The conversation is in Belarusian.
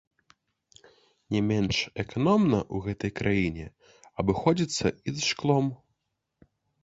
Не менш эканомна ў гэтай краіне абыходзяцца і з шклом.